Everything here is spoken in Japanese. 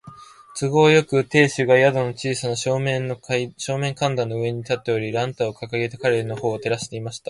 都合よく、亭主が宿の小さな正面階段の上に立っており、ランタンをかかげて彼のほうを照らしていた。